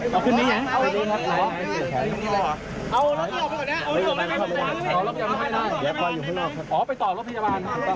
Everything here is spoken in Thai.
จะใส่รถคันนี้ไปอย่างสมเกียรติ